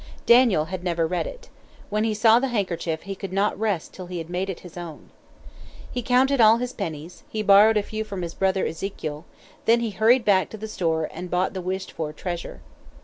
Daniel had never read it. When he saw the handkerchief he could not rest till he had made it his own. He counted all his pennies, he borrowed a few from his brother Ezekiel. Then he hurried back to the store and bought the wished for treasure.